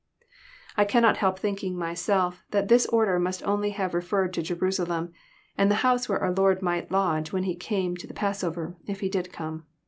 I cannot help thinking myself that this order must only have referred to Jerusalem, and the house where our Lord might lodge when He came to the passover, if He did come.